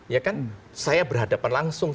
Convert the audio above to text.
ya kan saya berhadapan langsung